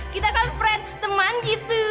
kita kan friend teman gitu